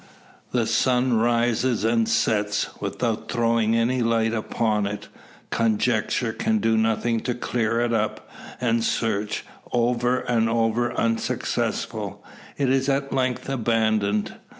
The sun rises and sets, without throwing any light upon it. Conjecture can do nothing to clear it up; and search, over and over unsuccessful, is at length abandoned.